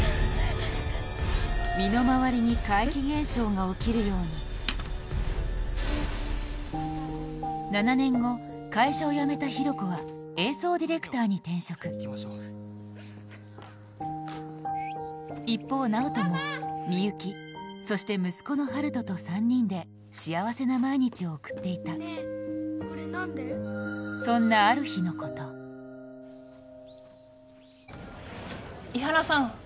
身の回りに怪奇現象が起きるように７年後会社を辞めた比呂子は映像ディレクターに転職一方直人も美雪そして息子の春翔と３人で幸せな毎日を送っていたそんなある日のこと伊原さん